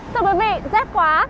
thưa quý vị rét quá